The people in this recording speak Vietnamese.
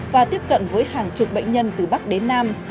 và tiếp cận với hàng chục bệnh nhân từ bắc đến nam